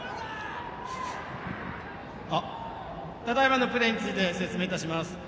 ただいまのプレーについて説明いたします。